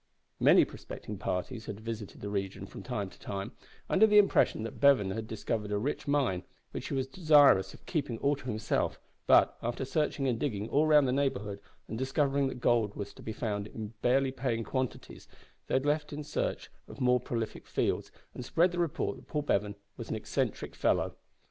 Many prospecting parties had visited the region from time to time, under the impression that Bevan had discovered a rich mine, which he was desirous of keeping all to himself; but, after searching and digging all round the neighbourhood, and discovering that gold was to be found in barely paying quantities, they had left in search of more prolific fields, and spread the report that Paul Bevan was an eccentric fellow.